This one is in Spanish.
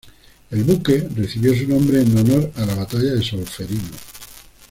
El buque recibió su nombre en honor a la Batalla de Solferino.